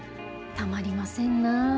たまりませんな。